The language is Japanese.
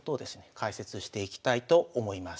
解説していきたいと思います。